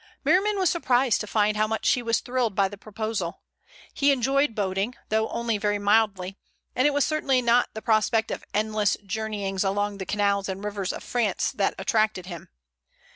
Merriman was surprised to find how much he was thrilled by the proposal. He enjoyed boating, though only very mildly, and it was certainly not the prospect of endless journeyings along the canals and rivers of France that attracted him.